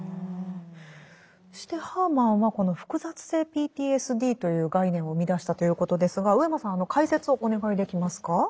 そしてハーマンはこの複雑性ＰＴＳＤという概念を生み出したということですが上間さん解説をお願いできますか。